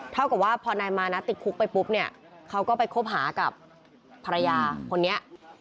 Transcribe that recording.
เท่ากับว่าพอนายมานะติดคุกไปปุ๊บเนี่ยเขาก็ไปคบหากับภรรยาคนนี้